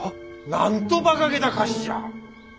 なんとバカげた菓子じゃ！